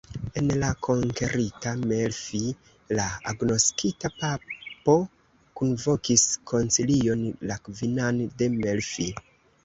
En la konkerita Melfi la agnoskita papo kunvokis koncilion, la kvinan de Melfi.